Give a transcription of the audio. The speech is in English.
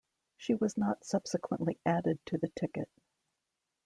She was not subsequently added to the ticket.